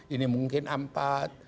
ini mungkin ampat